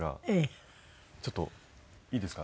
ちょっといいですか？